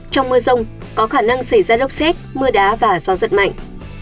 trong mưa rông có khả năng xảy ra lốc xét mưa đá và gió giật mạnh